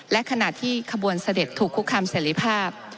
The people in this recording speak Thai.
และขณะที่ขบวนเสด็จถูกคุกคำเสรีภาพ